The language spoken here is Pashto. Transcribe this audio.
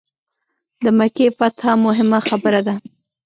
د مکې فتح موهمه خبره ده.